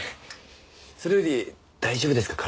それより大丈夫ですか？